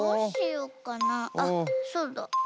あっそうだ。